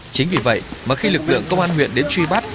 chính vì vậy mà khi lực lượng công an huyện đến truy bắt